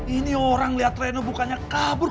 ini orang lihat reno bukannya kabur